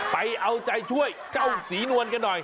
ไปเอาใจช่วยเจ้าศรีนวลกันหน่อย